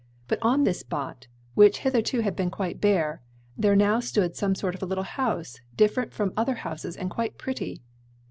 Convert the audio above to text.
But on this spot, which hitherto had been quite bare, there now stood some sort of a little house different from other houses and quite pretty.